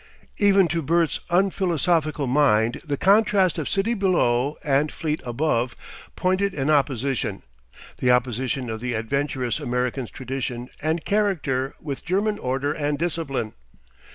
Even to Bert's unphilosophical mind the contrast of city below and fleet above pointed an opposition, the opposition of the adventurous American's tradition and character with German order and discipline.